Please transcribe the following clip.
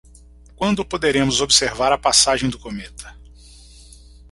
Quando poderemos observar a passagem do cometa?